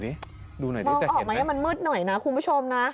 มันมืดหน่อยนะคุณผู้ชม